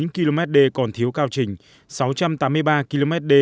ba trăm chín mươi chín km đê còn thiếu cao trình sáu trăm tám mươi ba km đê